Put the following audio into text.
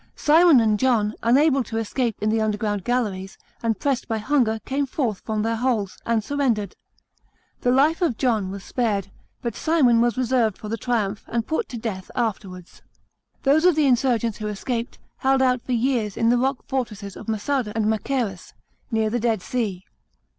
Simon and John, unable to escape in the underground galleries, and pressed by hunger, came forth from their holes, and surrendered. The life of John was spared, but Simon was reserved for the triumph, and put to death after wards. Those of the insurgents who escaped, held out lor years in the rock fortresses of Massada and Machajrus, near the Dead Sea.